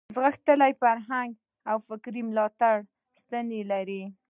غښتلې فرهنګي او فکري ملاتړې ستنې لري.